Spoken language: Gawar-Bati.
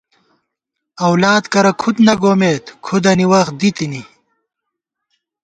اؤلاد کرہ کُھد نہ گومېت ،کُھدَنی وَخ دِی تِنی